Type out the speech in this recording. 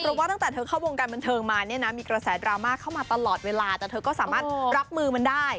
เพราะว่าตั้งแต่เธอเข้าวงการบันเทิงมาเนี่ยนะมีกระแสดราม่าเข้ามาตลอดเวลาแต่เธอก็สามารถรับมือมันได้